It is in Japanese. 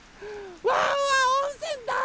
ワンワンおんせんだいすき！